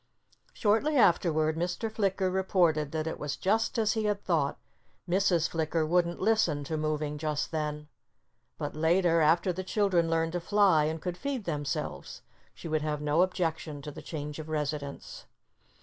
Shortly afterward Mr. Flicker reported that it was just as he had thought. Mrs. Flicker wouldn't listen to moving just then. But later, after the children learned to fly, and could feed themselves, she would have no objection to the change of residence.